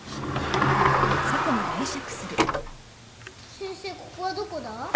先生ここはどこだ？